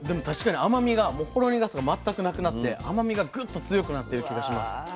確かに甘みがもうほろ苦さが全くなくなって甘みがぐっと強くなってる気がします。